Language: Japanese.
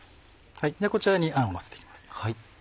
こちらにあんをのせて行きます。